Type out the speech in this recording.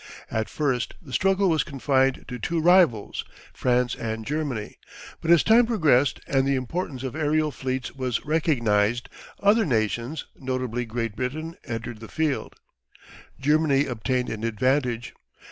At first the struggle was confined to two rivals France and Germany but as time progressed and the importance of aerial fleets was recognised, other nations, notably Great Britain, entered the field. Germany obtained an advantage.